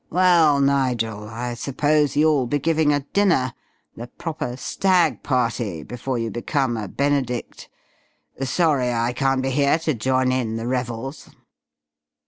Well, Nigel, I suppose you'll be giving a dinner, the proper 'stag' party, before you become a Benedict. Sorry I can't be here to join in the revels."